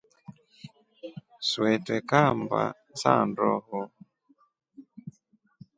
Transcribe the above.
Swee twekaa mmba za ndoe.